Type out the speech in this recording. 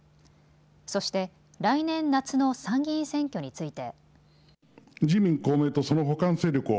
そして来年夏の参議院選挙について。